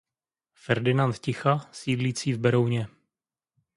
Ferdinand Ticha sídlící v Berouně.